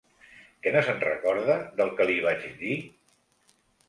Que no se'n recorda del que li vaig dir?